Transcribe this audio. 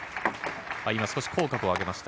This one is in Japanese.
今、少し口角を上げました。